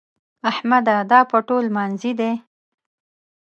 احمده! دا پټو لمانځي دی؟